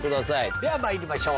ではまいりましょう。